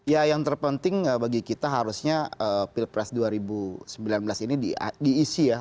ya yang terpenting bagi kita harusnya pilpres dua ribu sembilan belas ini diisi ya